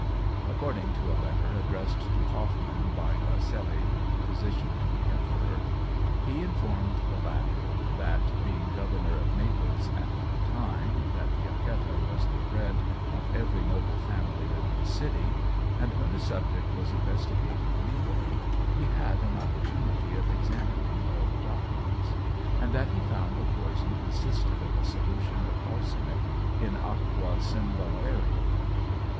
According to a letter addressed to Hoffmann by Garceli, physician to the emperor, he informed the latter that, being Governor of Naples at the time that the Acquetta was the dread of every noble family in the city, and when the subject was investigated legally he had an opportunity of examining all the documents, and that he found the poison consisted of a solution of arsenic in Aqua cymbalariæ.